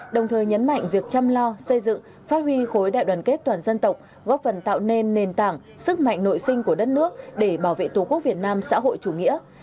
đồng thời nhấn mạnh việc chăm lo xây dựng phát huy khối đại đoàn kết toàn dân tộc góp phần tạo nên nền tảng sức mạnh nội sinh của đất nước để bảo vệ tổ quốc việt nam xã hội chủ nghĩa